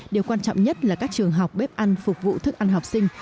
điều quan trọng nhất là các trường học bếp ăn phục vụ thức ăn học sinh